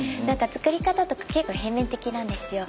つくり方とか結構平面的なんですよ。